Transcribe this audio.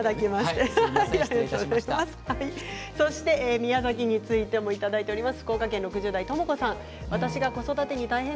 宮崎についてもいただいています。